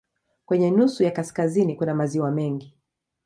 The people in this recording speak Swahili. Kwenye nusu ya kaskazini kuna maziwa mengi.